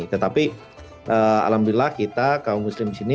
tetapi alhamdulillah kita kaum muslim di sini